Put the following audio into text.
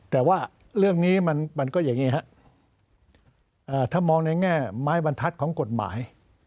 แต่ว่าเรื่องนี้มันก็อย่างนี้ฮะถ้ามองในแง่ไม้บรรทัศน์ของกฎหมาย